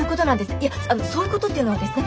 いやそういうことっていうのはですね